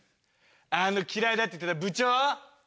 あの嫌いだって言ってた部長？